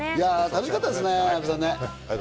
楽しかったですね、阿部さん。